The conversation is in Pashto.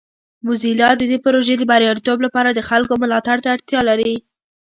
موزیلا د دې پروژې د بریالیتوب لپاره د خلکو ملاتړ ته اړتیا لري.